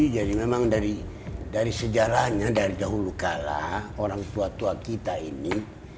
jadi memang dari sejarahnya dari jauh lukalah orang tua tua kita ini